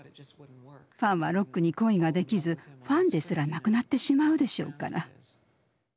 ファンはロックに恋ができずファンですらなくなってしまうでしょうから。